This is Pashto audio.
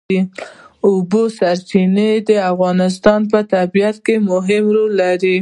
د اوبو سرچینې د افغانستان په طبیعت کې مهم رول لري.